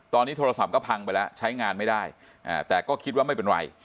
ตอนนี้โทรศัพท์ก็พังไปแล้วใช้งานไม่ได้แต่ก็คิดว่าไม่เป็นไร